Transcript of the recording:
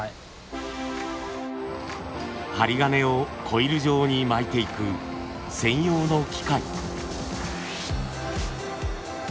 針金をコイル状に巻いていく専用の機械。